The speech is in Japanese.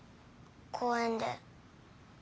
公園で。